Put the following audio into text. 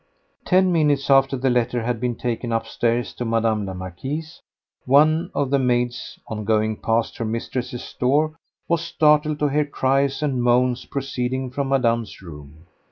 Ten minutes after the letter had been taken upstairs to Mme. la Marquise, one of the maids, on going past her mistress's door, was startled to hear cries and moans proceeding from Madame's room.